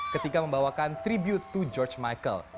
ketika membawakan tribute to george michael